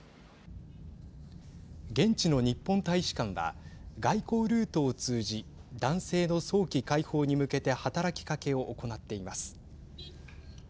現地の日本大使館は外交ルートを通じ男性の早期解放に向けて働きかけを行っています。